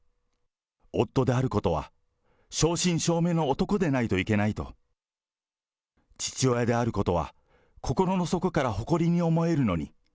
夫であることは、正真正銘の男でないといけないと、父親であることは心の底から誇りに思えるのに。